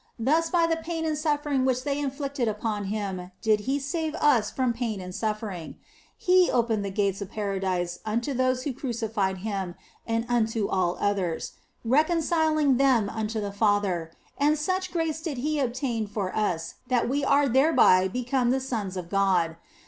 Thus by the pain and suffering which they inflicted upon Him did OF FOLIGNO 83 He save us from pain and suffering ; He opened the gates of Paradise unto those who crucified Him and unto all others, reconciling them unto the Father, arid such grace did He obtain for us that we are thereby become the Sons of God.